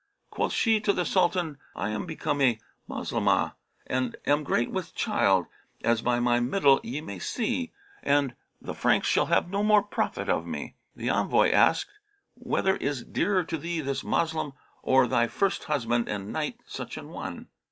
Quoth she to the Sultan, 'I am become a Moslemah and am great with child, as by my middle ye may see, and the Franks shall have no more profit of me.' The envoy asked, 'Whether is dearer to thee, this Moslem or thy first husband and knight such an one?